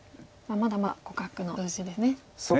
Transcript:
まだまだ互角の数字ですね。